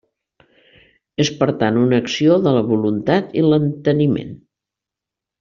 És per tant una acció de la voluntat i l'enteniment.